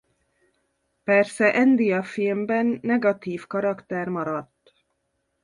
Persze Andy a filmben negatív karakter maradt.